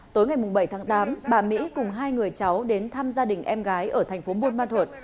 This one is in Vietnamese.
tối ngày bảy tháng tám bà mỹ cùng hai người cháu đến thăm gia đình em gái ở thành phố buôn ma thuột